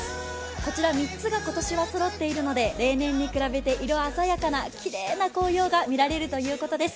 こちら３つが今年はそろっているので、例年に比べて色鮮やかな、きれいな紅葉が見られるということです。